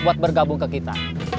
buat bergabung ke kita